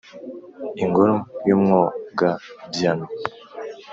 ingoro y’umwogabyano.